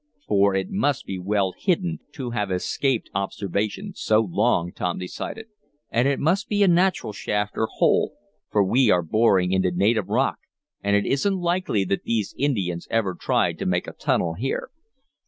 "For it must be well hidden to have escaped observation so long," Tom decided. "And it must be a natural shaft, or hole, for we are boring into native rock, and it isn't likely that these Indians ever tried to make a tunnel here.